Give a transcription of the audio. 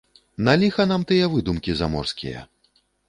На ліха нам тыя выдумкі заморскія?